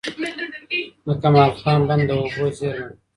د کمال خان بند د اوبو زېرمه ده.